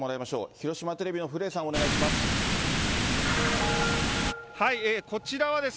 広島テレビの古江さん、お願いします。